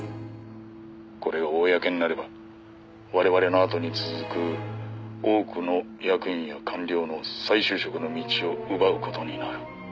「これが公になれば我々のあとに続く多くの役員や官僚の再就職の道を奪う事になる」